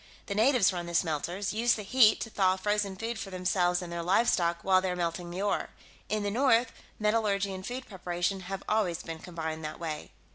The natives run the smelters; use the heat to thaw frozen food for themselves and their livestock while they're melting the ore. In the north, metallurgy and food preparation have always been combined that way."